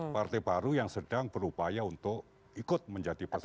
partai baru yang sedang berupaya untuk ikut menjadi peserta